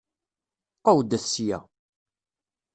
Qewwdet sya!